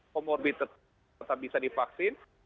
pemorbita tetap bisa divaksin